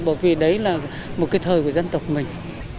bởi vì đấy là một cái thời của dân tộc mình